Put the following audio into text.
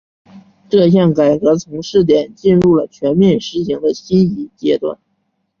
这项改革从试点进入了全面实行的新阶段。